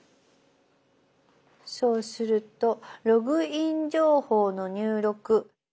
そうすると「ログイン情報の入力」。